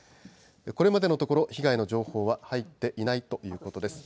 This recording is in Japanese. これまでのところ、被害の情報は入っていないということです。